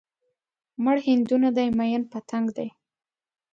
مړ هندو نه دی ميئن پتنګ دی